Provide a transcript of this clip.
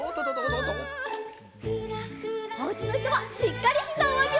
おうちのひとはしっかりひざをあげましょう。